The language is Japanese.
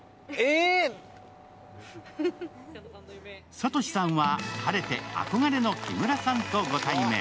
諭さんは晴れて憧れの木村さんとご対面。